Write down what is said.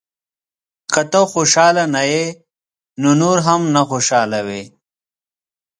• که ته خوشحاله نه یې، نو نور هم نه خوشحالوې.